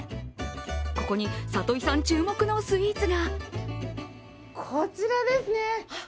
ここに里井さん注目のスイーツが。